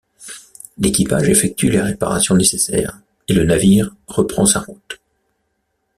L'équipage effectue les réparations nécessaires et le navire reprend sa route.